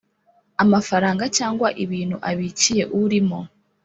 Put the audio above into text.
amafaranga cyangwa ibintu abikiye urimo